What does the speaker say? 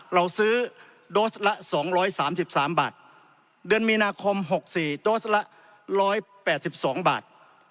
เราซื้อโดสละ๒๓๓บาทเดือนมีนาคม๖๔โดสละ๑๘๒บาท